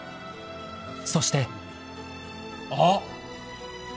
［そして］あっ。